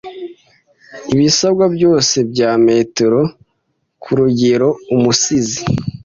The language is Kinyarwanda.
ibisabwa byose bya metero Kurugeroumusizi